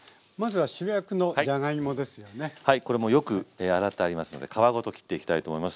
はいこれもうよく洗ってありますので皮ごと切っていきたいと思います。